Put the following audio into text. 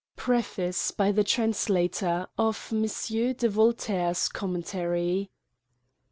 PREFACE BY THE TRANSLATOR, OF M. D. VOLTAIRE'S COMMENTARY.